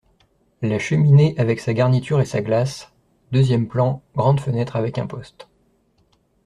La cheminée avec sa garniture et sa glace ; deuxième plan, grande fenêtre avec imposte.